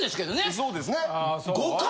そうですね。